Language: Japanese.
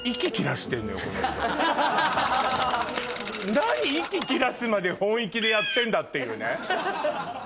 何息切らすまで本意気でやってんだっていうね。